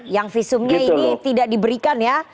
yang visumnya ini tidak diberikan ya